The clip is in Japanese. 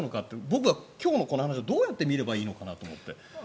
僕は今日のこの話をどうやって見ればいいのかなと思って。